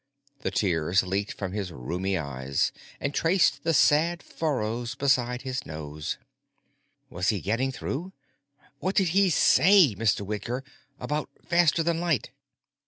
The tears leaked from his rheumy eyes and traced the sad furrows beside his nose. Was he getting through? "What did he say, Mr. Whitker? About faster than light?"